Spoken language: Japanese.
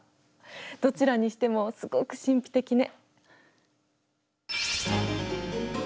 どちらにしてもすごく神秘的ね。